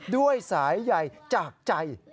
ด้วยสายใหญ่จากใจ